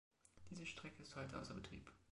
Diese Strecke ist heute außer Betrieb.